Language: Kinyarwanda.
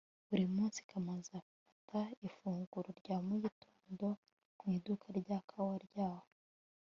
buri munsi, kamanzi afata ifunguro rya mu gitondo mu iduka rya kawa ryaho